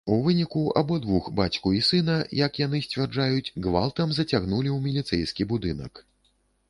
У выніку абодвух бацьку і сына, як яны сцвярджаюць, гвалтам зацягнулі ў міліцэйскі будынак.